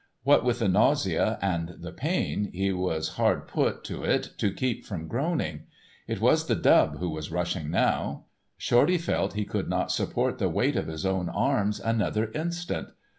What with the nausea and the pain, he was hard put to it to keep from groaning. It was the dub who was rushing now; Shorty felt he could not support the weight of his own arms another instant.